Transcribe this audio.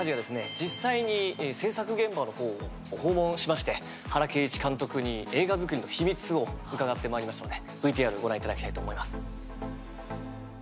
実際に制作現場のほうを訪問しまして原恵一監督に映画作りの秘密を伺ってまいりましたのでＶＴＲをご覧いただきたいと思います。